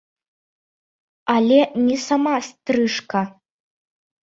Але не сама стрыжка.